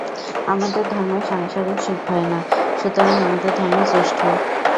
আমাদের ধর্মে সাংসারিক সুখ হয় না, সুতরাং আমাদের ধর্ম শ্রেষ্ঠ।